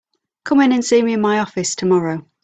Come in and see me in my office tomorrow.